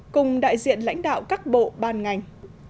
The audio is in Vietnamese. lãnh đạo các bộ bàn ngành